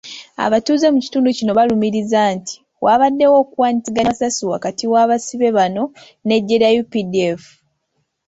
Abatuuze mu kitundu kino balumiriza nti, wabaddewo okuwanyisiganya amasasi wakati w'abasibe bano n'eggye lya UPDF.